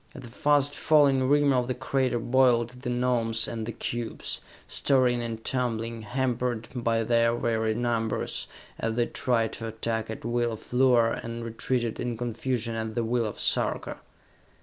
At the fast falling rim of the crater boiled the Gnomes and the cubes, stirring and tumbling, hampered by their very numbers, as they tried to attack at will of Luar and retreated in confusion at the will of Sarka.